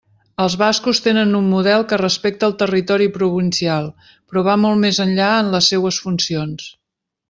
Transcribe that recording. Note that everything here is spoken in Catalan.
Els bascos tenen un model que respecta el territori provincial però va molt més enllà en les seues funcions.